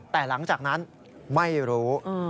แต่หลังจากนั้นไม่รู้